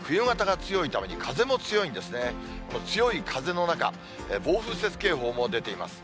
強い風の中、暴風雪警報も出ています。